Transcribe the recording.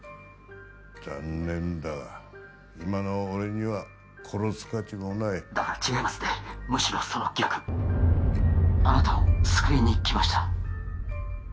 残念だが今の俺には殺す価値もないだから違いますってむしろその逆あなたを救いに来ました